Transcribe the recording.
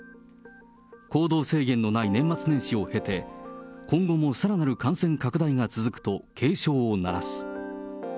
行動制限のない年末年始を経て、今後もさらなる感染拡大が続くと警鐘を鳴らす。